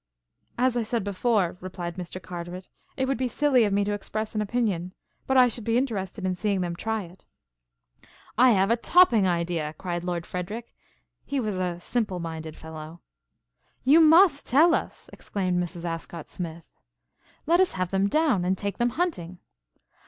"As I said before," replied Mr. Carteret, "it would be silly of me to express an opinion, but I should be interested in seeing them try it." "I have a topping idea!" cried Lord Frederic. He was a simple minded fellow. "You must tell us," exclaimed Mrs. Ascott Smith. "Let us have them down, and take them hunting!"